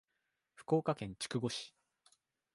福岡県筑後市